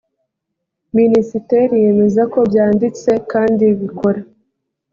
minisiteri yemeza ko byanditse kandi bikora